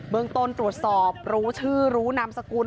เมืองต้นตรวจสอบรู้ชื่อรู้นามสกุล